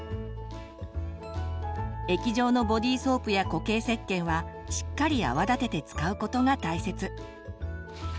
液状のボディソープや固形せっけんはしっかり泡立てて使うことが大切。